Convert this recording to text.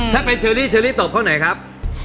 ถ้าเป็นเชอรี่เชอรี่ตอบข้อไหนครับ